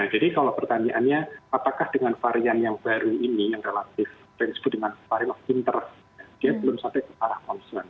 nah jadi kalau pertanyaannya apakah dengan varian yang baru ini yang relatif tersebut dengan varian of inter dia belum sampai ke arah konsumen